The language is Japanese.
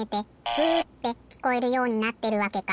ブーってきこえるようになってるわけか。